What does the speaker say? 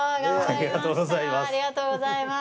ありがとうございます。